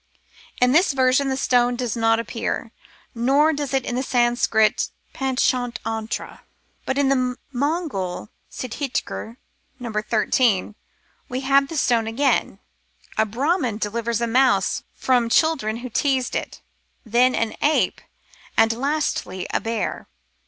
^ In this version the stone does not appear ; nor does it in the Sanskrit Pantschat antra? But in the Mongol Siddhi kur (No. 1 3) we have the stone again. A Brahmin delivers a mouse from children who teased it, then an ape, and lastly a bear.